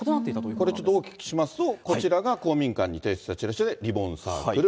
これ、ちょっと大きくしますと、こちらが公民館に提出したチラシで、リボンサークル。